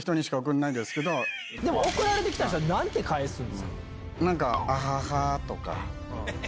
送られて来た人は何て返すんですか？